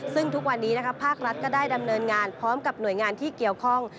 ซึ่งทุกวันนี้ภาครัฐก็ได้ดำเนินงานพร้อมกับหน่วยงานที่เกี่ยวข้อง